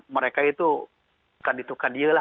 mereka itu bukan ditukar diri lah